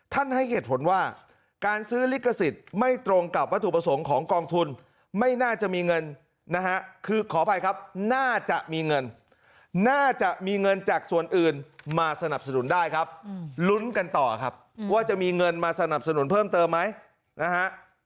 ให้เหตุผลว่าการซื้อลิขสิทธิ์ไม่ตรงกับวัตถุประสงค์ของกองทุนไม่น่าจะมีเงินนะฮะคือขออภัยครับน่าจะมีเงินน่าจะมีเงินจากส่วนอื่นมาสนับสนุนได้ครับลุ้นกันต่อครับว่าจะมีเงินมาสนับสนุนเพิ่มเติมไหมนะฮะ